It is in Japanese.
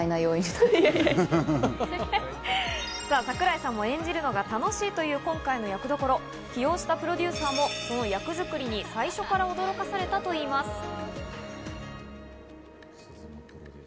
桜井さんも演じるのが楽しいという今回の役どころ、起用したプロデューサーもその役作りに最初から驚かされたといいます。